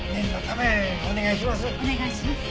お願いします。